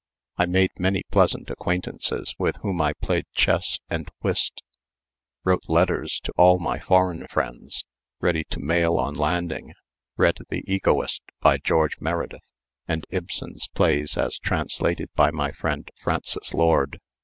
I made many pleasant acquaintances with whom I played chess and whist; wrote letters to all my foreign friends, ready to mail on landing; read the "Egotist," by George Meredith, and Ibsen's plays as translated by my friend Frances Lord.